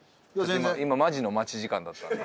今マジの待ち時間だったんで。